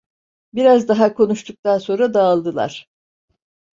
Biraz daha konuştuktan sonra dağıldılar.